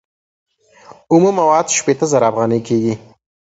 اومه مواد شپیته زره افغانۍ کېږي